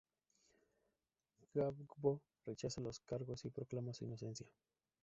Gbagbo rechaza los cargos y proclama su inocencia.